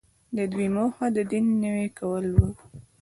د دوی موخه د دین نوی کول وو.